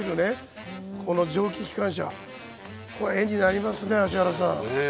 この蒸気機関車これ絵になりますね芦原さん。ね。